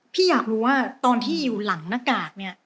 พี่อยากรู้ว่าตอนที่อยู่หลังหน้ากากเนี่ย